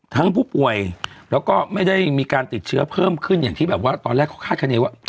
ผู้ป่วยแล้วก็ไม่ได้มีการติดเชื้อเพิ่มขึ้นอย่างที่แบบว่าตอนแรกเขาคาดคณีว่า